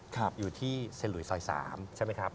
ครับอยู่ที่ศรษ์ลุยส่อย๓ใช่ไหมครับ